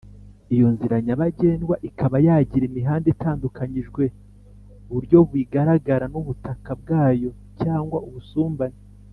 iyo nzira nyabagendwa ikaba yagira imihanda itandukanyijwe buryo bigaragara n’ubutaka bwayo cyangwa ubusumbane: